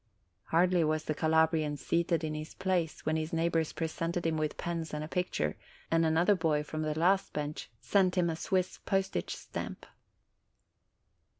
Hardly was the Calabrian seated in his place, when his neighbors presented him with pens and a picture; and another boy, from the last bench, sent him a Swiss postage stamp.